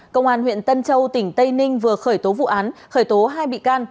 công an huyện tân châu tỉnh tây ninh vừa khởi tố vụ án khởi tố hai bị can